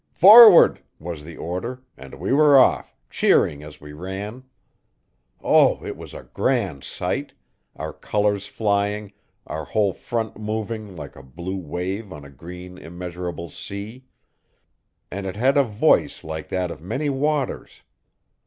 'Forward!' was the order, and we were off, cheering as we ran. O, it was a grand sight! our colours flying, our whole front moving, like a blue wave on a green, immeasurable sea. And it had a voice like that of many waters.